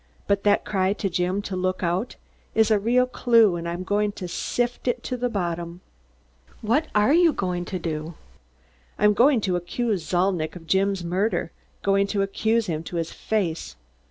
But that cry to Jim to 'Look out!' is a real clue and I'm going to sift it to the bottom." "What are you going to do?" Mary demanded. "I'm going to accuse Zalnitch of Jim's murder going to accuse him to his face."